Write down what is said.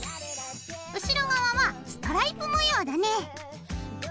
後ろ側はストライプ模様だね！